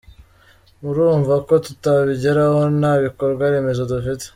Murumva ko tutabigeraho nta bikorwa remezo dufite.